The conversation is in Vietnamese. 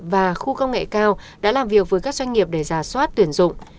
doanh nghiệp để giả soát tuyển dụng